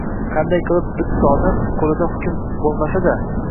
“qanday qilib bitta odam, qo‘lida hukm bo‘lmasa-da